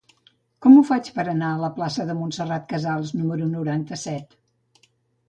Com ho faig per anar a la plaça de Montserrat Casals número noranta-set?